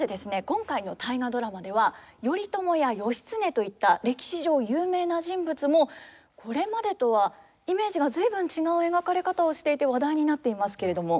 今回の「大河ドラマ」では頼朝や義経といった歴史上有名な人物もこれまでとはイメージが随分違う描かれ方をしていて話題になっていますけれども。